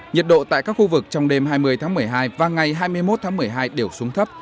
nhiệt độ tại các khu vực trong đêm hai mươi tháng một mươi hai và ngày hai mươi một tháng một mươi hai đều xuống thấp